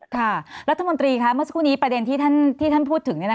ค่ะรัฐมนตรีคะเมื่อสักครู่นี้ประเด็นที่ท่านพูดถึง